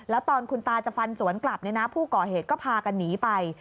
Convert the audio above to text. แล้วตอนคุณตาจะฟันสวนกลับผู้ก่อเหตุก็พากันหนีไป